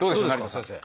先生。